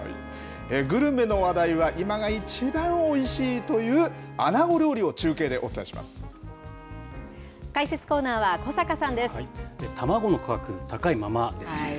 グルメの話題は、今が一番おいしいという、解説コーナーは、卵の価格、高いままですよね。